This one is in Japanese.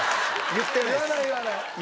言ってるよ！